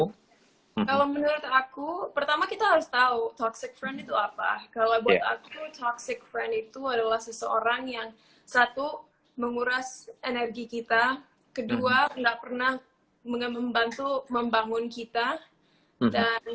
kalau menurut aku pertama kita harus tau toxic friend itu apa kalau buat aku toxic friend itu adalah seseorang yang satu menguras energi kita kedua gak pernah membantu membantu kita untuk berhubungan dengan orang lain